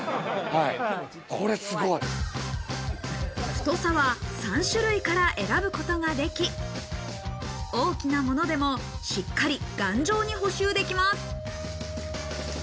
太さは３種類から選ぶことができ、大きなものでもしっかり頑丈に補修できます。